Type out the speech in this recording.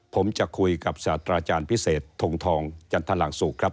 ผมจะคุยกับศาสตราจารย์พิเศษทงทองจันทรลังสุครับ